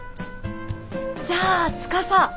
じゃあ司！